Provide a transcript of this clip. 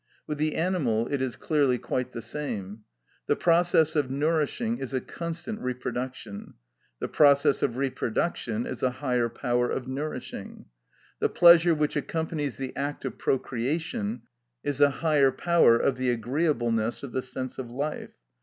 With the animal it is clearly quite the same. The process of nourishing is a constant reproduction; the process of reproduction is a higher power of nourishing. The pleasure which accompanies the act of procreation is a higher power of the agreeableness of the sense of life.